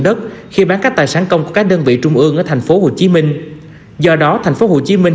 đất khi bán các tài sản công của các đơn vị trung ương ở thành phố hồ chí minh do đó thành phố hồ chí minh